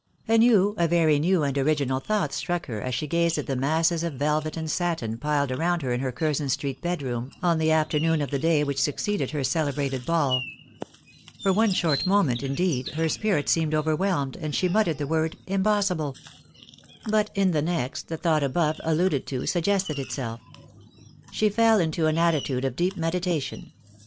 A new, a very new and original thought struck her as she gazed at the masses of velvet and satin piled around her in her Curzon street bed room, on the afternoon of the day which succeeded her celebrated ball. For one short moment indeed her spirit seemed overwhelmed, and she muttered the word " impossible !" But in the next the thought above alluded to suggested itself. She fell into an attitude of deep medi tation.